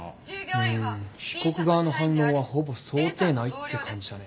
うーん被告側の反論はほぼ想定内って感じだね。